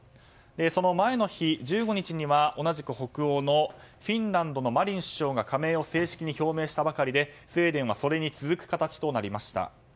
その前の日、１５日には同じく北欧のフィンランドのマリン首相が加盟を正式に表明したばかりでスウェーデンはそれに続く形となりました。